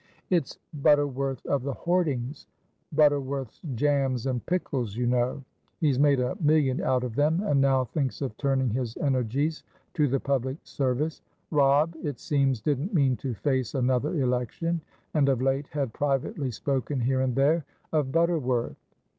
"It's Butterworth of the hoardingsButterworth's jams and pickles, you know. He's made a million out of them, and now thinks of turning his energies to the public service. Robb, it seems, didn't mean to face another election, and of late had privately spoken here and there of Butterworth."